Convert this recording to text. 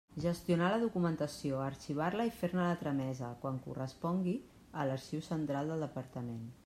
Gestionar la documentació, arxivar-la i fer-ne la tramesa, quan correspongui, a l'Arxiu Central del Departament.